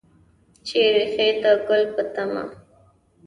چې ریښې د ګل په تمه